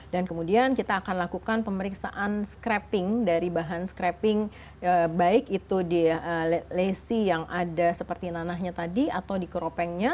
dan kemudian kita akan lakukan pemeriksaan scrapping dari bahan scrapping baik itu di lesi yang ada seperti nanahnya tadi atau di keropengnya